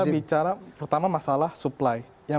kita bicara pertama masalah supply